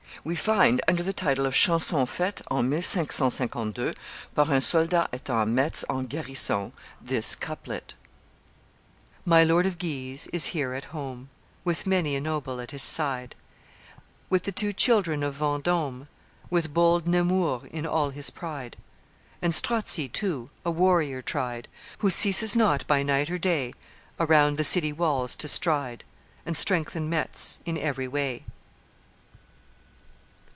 We find under the title of Chanson faite en 1552 par un souldar etant en Metz en garnison this couplet: "My Lord of Guise is here at home, With many a noble at his side, With the two children of Vendome, With bold Nemours, in all his pride, And Strozzi too, a warrior tried, Who ceases not, by night or day, Around the city walls to stride, And strengthen Metz in every way."